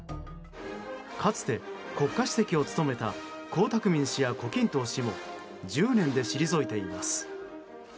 かつて国家主席を務めた江沢民氏や胡錦涛氏も１０年で退いています。